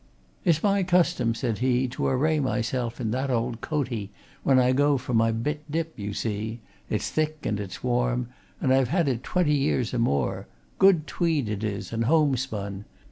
"It's my custom," said he, "to array myself in that old coatie when I go for my bit dip, you see it's thick and it's warm, and I've had it twenty years or more good tweed it is, and homespun.